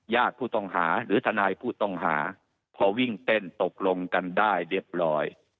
ญาติผู้ต้องหาหรือทนายผู้ต้องหาพอวิ่งเต้นตกลงกันได้เรียบร้อย